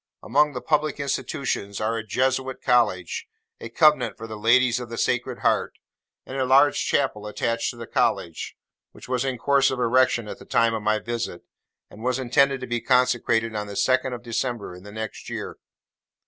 Among the public institutions are a Jesuit college; a convent for 'the Ladies of the Sacred Heart;' and a large chapel attached to the college, which was in course of erection at the time of my visit, and was intended to be consecrated on the second of December in the next year.